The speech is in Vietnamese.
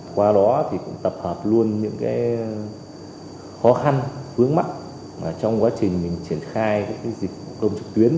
qua đó thì cũng tập hợp luôn những khó khăn hướng mắc trong quá trình mình triển khai dịch vụ công trực tuyến